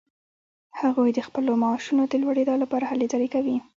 هغوی د خپلو معاشونو د لوړیدا لپاره هلې ځلې کوي.